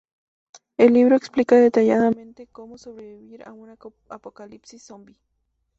El libro explica detalladamente cómo sobrevivir a un apocalipsis zombie.